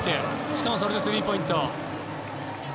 しかもそれで３ポイント。